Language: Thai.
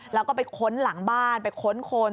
แล้วก็ไปค้นหลังบ้านไปค้นคน